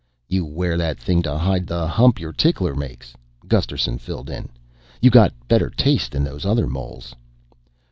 "You wear that thing to hide the hump your tickler makes?" Gusterson filled in. "You got better taste than those other moles."